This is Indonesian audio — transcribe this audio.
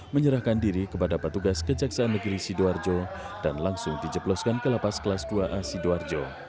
menyerahkan diri kepada petugas kejaksaan negeri sidoarjo dan langsung dijebloskan ke lapas kelas dua a sidoarjo